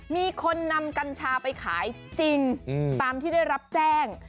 มีคนนำกัญชาไปขายจริงตามที่ได้รับแจ้ง